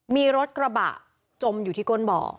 มีรถกระบะจมอยู่ที่ก้นบ่อ